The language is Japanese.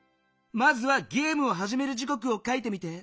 まずはゲームをはじめる時こくを書いてみて。